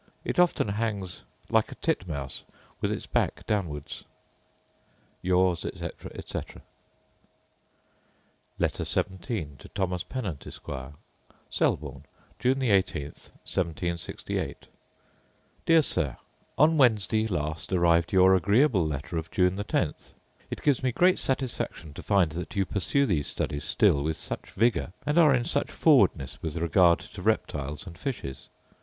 It often hangs lice a titmouse, with its back downwards. Yours, etc., etc. Letter XVII To Thomas Pennant, Esquire Selborne, June 18, 1768. Dear Sir, On Wednesday last arrived your agreeable letter of June the 10th. It gives me great satisfaction to find that you pursue these studies still with such vigour, and are in such forwardness with regard to reptiles and fishes.